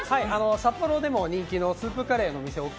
札幌でも人気のスープカレーのお店奥